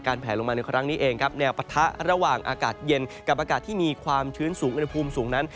แผลลงมาในครั้งนี้เองครับแนวปะทะระหว่างอากาศเย็นกับอากาศที่มีความชื้นสูงอุณหภูมิสูงนั้น